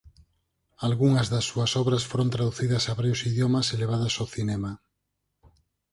Algunhas das súas obras foron traducidas a varios idiomas e levadas ao cinema.